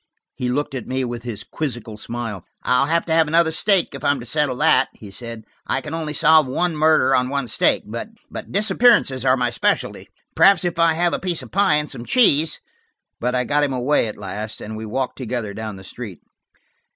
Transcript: He looked at me with his quizzical smile. "I'll have to have another steak, if I'm to settle that," he said. "I can only solve one murder on one steak. But disappearances are my specialty; perhaps, if I have a piece of pie and some cheese–" But I got him away at last, and we walked together down the street.